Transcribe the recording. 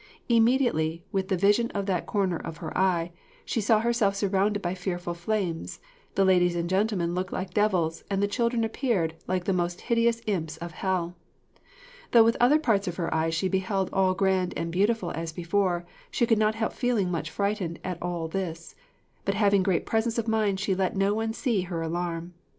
Immediately, with the vision of that corner of her eye, she saw herself surrounded by fearful flames; the ladies and gentlemen looked like devils, and the children appeared like the most hideous imps of hell. Though with the other parts of her eyes she beheld all grand and beautiful as before, she could not help feeling much frightened at all this; but having great presence of mind she let no one see her alarm.